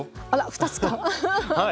２つか。